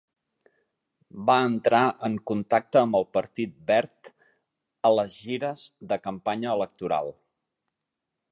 Va entrar en contacte amb el partit verd a les gires de campanya electoral.